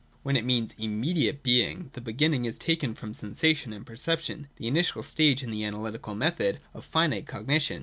When it means immediate being, the beginning is taken from sensation and perception — the initial stage in the analytical method of finite cognition.